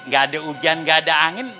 gak ada hujan nggak ada angin